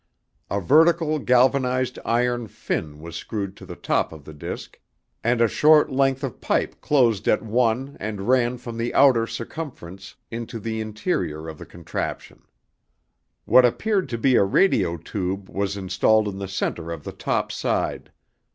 A vertical galvanized iron fin was screwed to the top of the disc, and a short length of pipe closed at one and ran from the outer circumference into the interior of the contraption. What appeared to be a radio tube was installed in the center of the top side.